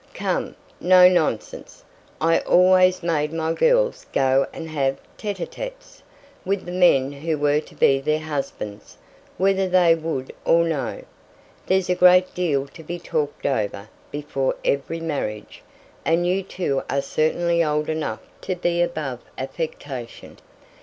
"Come, no nonsense. I always made my girls go and have tÉte ł tÉtes with the men who were to be their husbands, whether they would or no: there's a great deal to be talked over before every marriage, and you two are certainly old enough to be above affectation.